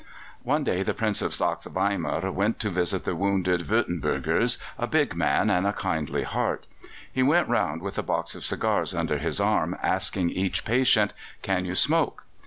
One day the Prince of Saxe Weimar went to visit the wounded Würtembergers, a big man and a kindly heart. He went round with a box of cigars under his arm, asking each patient, "Can you smoke?"